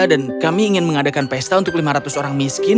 dan kami ingin mengadakan pesta untuk lima ratus orang miskin